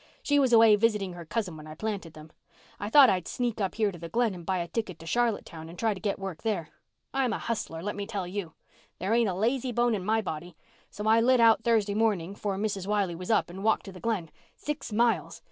She was away visiting her cousin when I planted them. I thought I'd sneak up here to the Glen and buy a ticket to Charlottetown and try to get work there. I'm a hustler, let me tell you. There ain't a lazy bone in my body. So I lit out Thursday morning 'fore Mrs. Wiley was up and walked to the Glen—six miles.